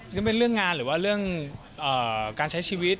ซึ่งเป็นเรื่องงานหรือว่าเรื่องการใช้ชีวิต